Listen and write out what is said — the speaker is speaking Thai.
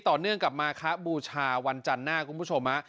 เนื่องกับมาคะบูชาวันจันทร์หน้าคุณผู้ชมฮะ